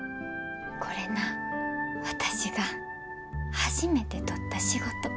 これな私が初めて取った仕事。